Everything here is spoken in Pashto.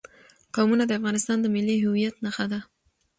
قومونه د افغانستان د ملي هویت نښه ده.